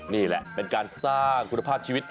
นี่แหละเป็นการสร้างคุณภาพชีวิต